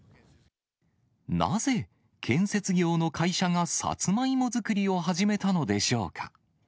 なぜ、建設業の会社がサツマイモ作りを始めたのでしょうか。